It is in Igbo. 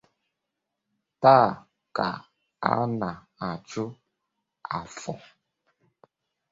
Taa ka a na-achụ afọ